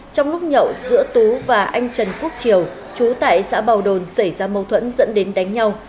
trong lúc nhậu giữa tú và anh trần quốc triều chú tại xã bào đồn xảy ra mâu thuẫn dẫn đến đánh nhau